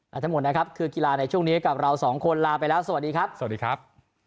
และทั้งหมดนะครับคือกีฬาในช่วงนี้กับเราสองคนลาไปแล้วสวัสดีครับสวัสดีครับ